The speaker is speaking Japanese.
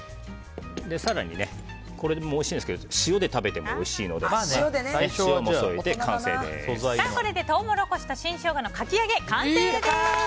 更に、これでもおいしいんですが塩で食べてもおいしいのでこれでトウモロコシと新ショウガのかき揚げの完成です。